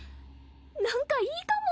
なんかいいかも。